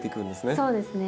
そうですね。